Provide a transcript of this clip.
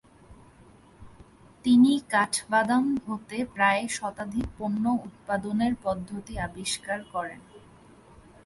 তিনি কাঠ বাদাম হতে প্রায় শতাধিক পণ্য উৎপাদনের পদ্ধতি আবিষ্কার করেন।